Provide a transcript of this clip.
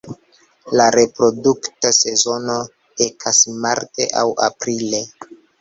La reprodukta sezono ekas marte aŭ aprile.